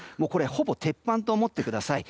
ほぼ鉄板と思ってください。